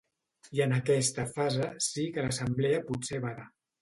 I en aquesta fase sí que l’assemblea potser bada.